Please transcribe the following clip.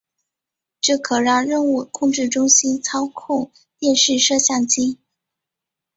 这可让任务控制中心操控电视摄像机。